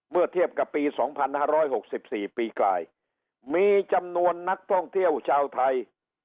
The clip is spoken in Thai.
เมื่อเทียบกับปีสองพันห้าร้อยหกสิบสี่ปีกลายมีจำนวนนักท่องเที่ยวชาวไทย